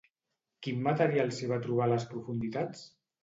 Quin material s'hi va trobar a les profunditats?